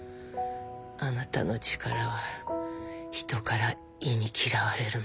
あなたの力は人から忌み嫌われるの。